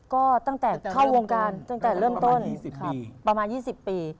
ก็ตั้งแต่เข้าวงการตั้งแต่เริ่มต้นประมาณ๒๐ปี